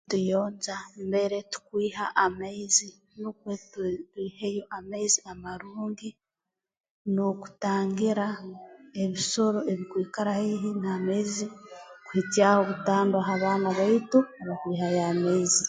Tuyonja mbere tukwiha amaizi nukwe twiheyo amaizi amarungi n'okutangira ebisoro ebikwikara haihi n'amaizi kuhikyaho butandwa ha baana baitu abakwihayo amaizi